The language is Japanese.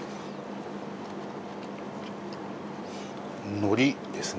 のりですね。